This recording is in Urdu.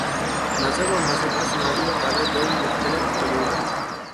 مذہب اور مذہب کا سماجی مطالعہ دو مختلف علوم ہیں۔